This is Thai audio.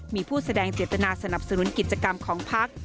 มีผู้แสดงเจตนาสนับสนุนกิจกรรมของพัก